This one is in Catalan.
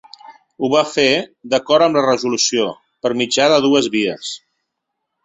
Ho va fer, d’acord amb la resolució, per mitjà de dues vies.